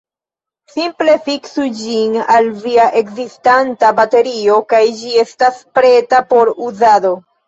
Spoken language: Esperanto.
Simple fiksu ĝin al via ekzistanta baterio, kaj ĝi estas preta por uzado.